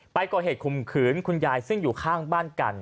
ไปก่อเหตุข่มขืนคุณยายซึ่งอยู่ข้างบ้านกัน